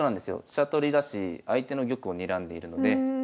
飛車取りだし相手の玉をにらんでいるので。